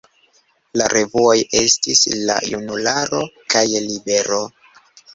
La revuoj estis "La Junularo" kaj "Libero".